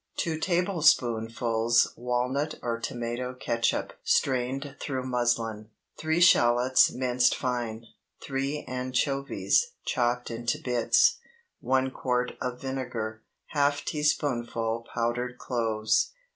2 tablespoonfuls walnut or tomato catsup (strained through muslin). 3 shallots minced fine. 3 anchovies chopped into bits. 1 quart of vinegar. Half teaspoonful powdered cloves.